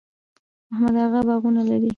محمد اغه باغونه لري؟